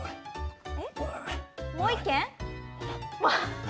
もう１軒？